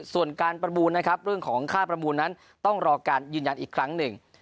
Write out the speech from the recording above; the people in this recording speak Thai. ส่วนการประมูลนะครับเรื่องของค่าประมูลนั้นต้องรอการยืนยันอีกครั้งหนึ่ง